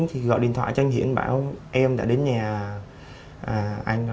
thì gọi điện thoại cho anh hiển bảo em đã đến nhà anh